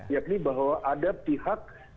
yakni bahwa ada pihak